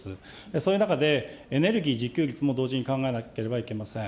そういう中で、エネルギー自給率も同時に考えなければいけません。